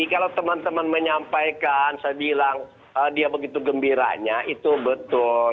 kalau teman teman menyampaikan saya bilang dia begitu gembiranya itu betul